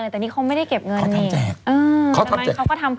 แต่นี่เขาไม่ได้เก็บเงินเนี่ยเขาทำแจก